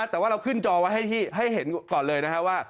แต่ว่าเราขึ้นจอไว้ให้เห็นก่อนเลยนะครับว่า